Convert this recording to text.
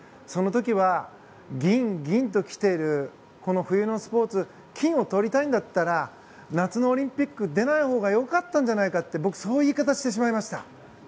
その時は銀、銀ときているこの冬のスポーツ金をとりたいんだったら夏のオリンピック出ないほうが良かったんじゃないかって僕、そういう言い方をしてしまいました。